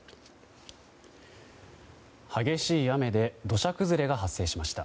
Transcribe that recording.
激しい雨で土砂崩れが発生しました。